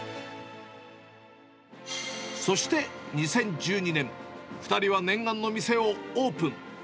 そして２０１２年、２人は念願の店をオープン。